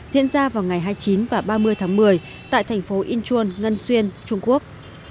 diễn ra vào ngày hai mươi chín và ba mươi tháng một mươi tại thành phố inchuôn ngân xuyên trung quốc